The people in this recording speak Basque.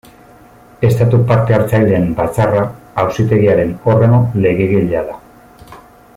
Estatu Parte-Hartzaileen Batzarra, Auzitegiaren organo legegilea da.